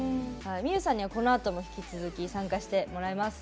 みゆさんにはこのあとも引き続き参加してもらいます。